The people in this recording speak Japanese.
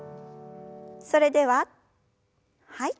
それでははい。